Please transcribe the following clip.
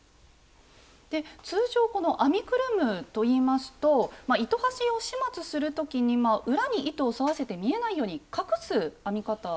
通常この編みくるむといいますと糸端を始末する時に裏に糸を沿わせて見えないように隠す編み方ですよね？